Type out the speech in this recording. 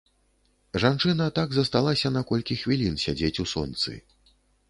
Жанчына так засталася на колькі хвілін сядзець у сонцы.